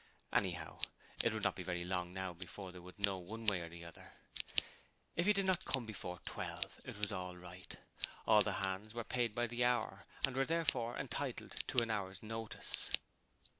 Anyhow, it would not be very long now before they would know one way or the other. If he did not come before twelve, it was all right: all the hands were paid by the hour and were therefore entitled to an hour's notice.